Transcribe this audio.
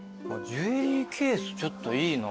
ジュエリーケースちょっといいな。